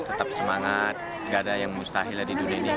tetap semangat gak ada yang mustahil lah di dunia ini